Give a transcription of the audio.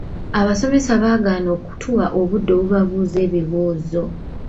Abasomesa baagaana okutuwa obudde okubabuuza ebibuuzo.